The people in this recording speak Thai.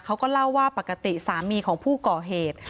เขาก็เล่าว่าปกติสามีของผู้ก่อเหตุ